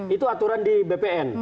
itu aturan di bpn